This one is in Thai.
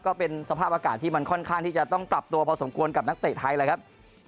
ก็เป็นสภาพอากาศที่มันค่อนข้างที่จะต้องปรับตัวพอสมควรกับนักเตะไทยเลยครับ